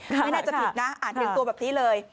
ไม่น่าจะผิดนะอ่านถึงตัวแบบนี้เลย